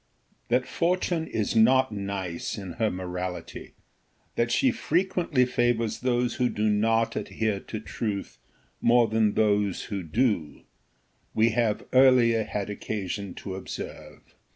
That Fortune is not nice in her morality, that she frequently favours those who do not adhere to truth more than those who do, we have early had occasion to observe.